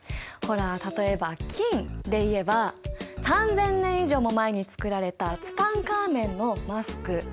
ほら例えば金でいえば３，０００年以上も前に作られたツタンカーメンのマスク。